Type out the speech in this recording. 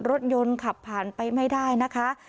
รถยนต์ขับผ่านไปไม่ได้นะคะ